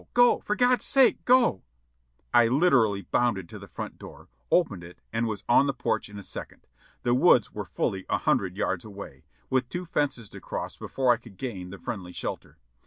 go ! For God's sake go !" I literally bounded to the front door, opened it and was on the porcli in a second. The \\'Oods were fully a hundred yards away, with two fences to cross before I could gain the friendly shelter.